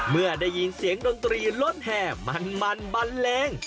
เมื่อได้ยินเสียงดนตรีรถแห่มันบันเลง